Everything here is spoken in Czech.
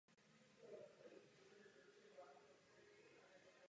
Vyučování bylo zahájeno ve dvou třídách obnoveného čtyřletého gymnázia.